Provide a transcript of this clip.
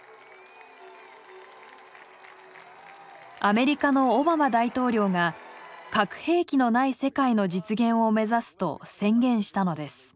アメリカのオバマ大統領が「核兵器のない世界」の実現を目指すと宣言したのです。